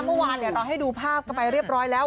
เมื่อวานเราให้ดูภาพกันไปเรียบร้อยแล้ว